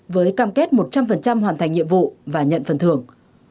với cam kết một trăm linh hoàn thành nhiệm vụ và nhận phần thưởng